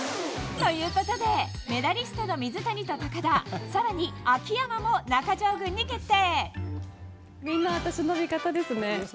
ということでメダリストの水谷と高田更に、秋山も中条軍に決定。